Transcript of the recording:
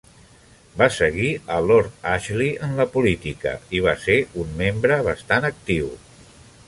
Va seguir a Lord Ashley en la política, i va ser un membre bastant actiu.